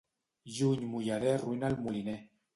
Juny mullader arruïna al moliner.